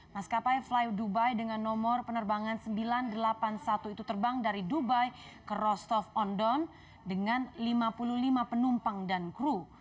maskapai flyo dubai dengan nomor penerbangan sembilan ratus delapan puluh satu itu terbang dari dubai ke rostov on don dengan lima puluh lima penumpang dan kru